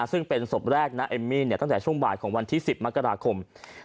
ซึ่งเป็นศพแรกนะเอมมี่ตั้งแต่ช่วงบ่ายของวันที่๑๐มกราคม